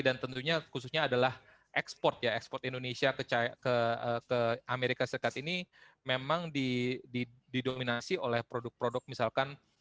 dan tentunya khususnya adalah ekspor indonesia ke amerika serikat ini memang didominasi oleh produk produk misalkan